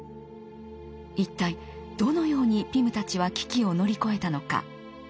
一体どのようにピムたちは危機を乗り越えたのか。